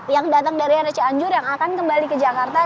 yang datang dari arah cianjur yang akan kembali ke jakarta